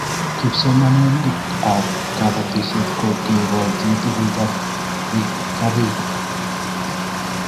Kipsomanik ab Kabatishet ko kigol chii tugul cabigek